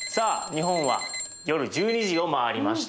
日本は夜１２時を回りました。